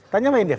tanya pak indief